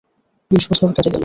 বিশ বছর কেটে গেল।